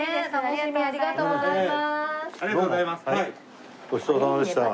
ハハッありがとうございます。